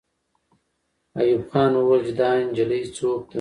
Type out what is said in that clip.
ایوب خان وویل چې دا نجلۍ څوک ده.